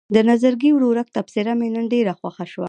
د نظرګي ورورک تبصره مې نن ډېره خوښه شوه.